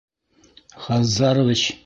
Хаз... зарович?